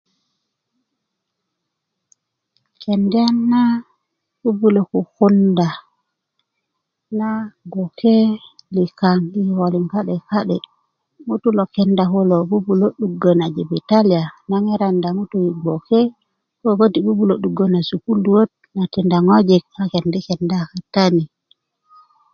kendya na bubulö kukunda na gboke likaŋ yi kikolin ka'de ka'de ŋutulu lo kenda kulo bubulö 'dulö na jibitiliya na ŋarakinda ŋutuu yi gboke kode' bubulö duggö na sukuluwöt na tinda ŋojik a kendi' kenda katani